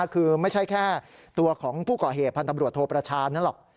คือไม่ใช่แค่ตัวของผู้ก่อเหตุพันธ์ตำรวจโทประชานั้นหรอก